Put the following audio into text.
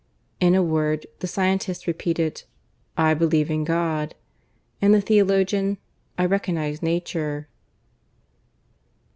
In a word, the scientist repeated, "I believe in God "; and the theologian, "I recognize Nature."